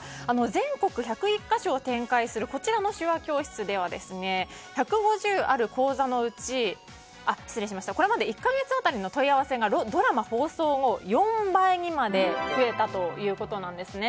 全国１０１か所を展開するこちらの手話教室ではこれまで１か月当たりの問い合わせがドラマ放送後、４倍にまで増えたということなんですね。